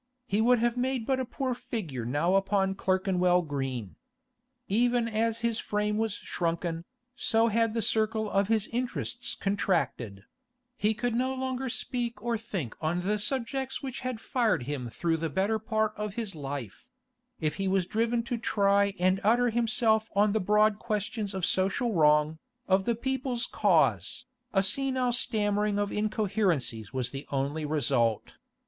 He would have made but a poor figure now upon Clerkenwell Green. Even as his frame was shrunken, so had the circle of his interests contracted; he could no longer speak or think on the subjects which had fired him through the better part of his life; if he was driven to try and utter himself on the broad questions of social wrong, of the people's cause, a senile stammering of incoherencies was the only result.